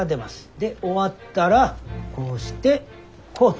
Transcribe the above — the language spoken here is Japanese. で終わったらこうしてこうと。